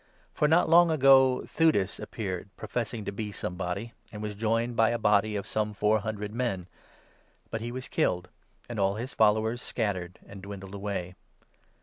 For not long ago Theudas appeared, professing 36 to be somebody, and was joined by a body of some four hun dred men. But he was killed ; and all his followers scattered and dwindled away.